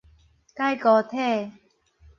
改孤體